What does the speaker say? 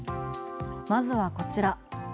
まずはこちら。